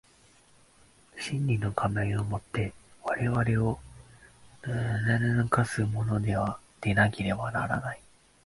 真理の仮面を以て我々を誑かすものでなければならない。